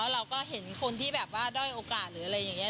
เราก็เห็นคนที่แบบว่าด้อยโอกาสหรืออะไรอย่างนี้